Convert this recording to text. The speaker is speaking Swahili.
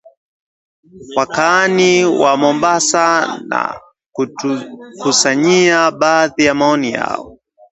wakaazi wa Mombasa na kutukusanyia baadhi ya maoni yao